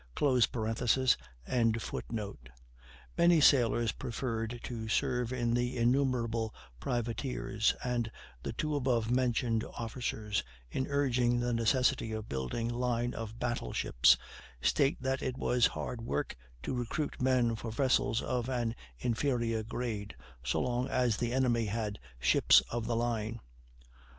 ] Many sailors preferred to serve in the innumerable privateers, and, the two above mentioned officers, in urging the necessity of building line of battle ships, state that it was hard work to recruit men for vessels of an inferior grade, so long as the enemy had ships of the line.